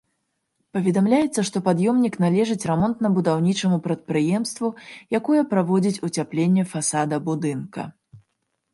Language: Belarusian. Паведамляецца, што пад'ёмнік належыць рамонтна-будаўнічаму прадпрыемству, якое праводзіць уцяпленне фасада будынка.